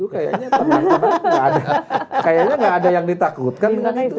kayaknya nggak ada yang ditakutkan